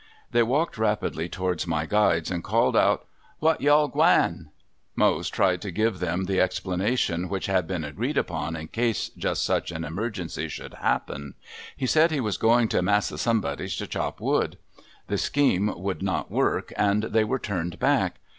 They walked rapidly towards my guides and called out: "Wha' ye all gwine?" Mose tried to give them the explanation which had been agreed upon in case just such an emergency should happen. He said he was going to Massa somebody's, to chop wood. The scheme would not work and they were turned back.